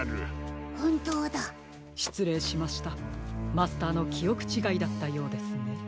マスターのきおくちがいだったようですね。